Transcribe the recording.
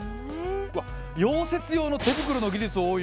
溶接用の手袋の技術を応用。